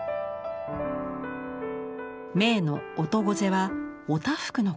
銘の「おとごぜ」はお多福のこと。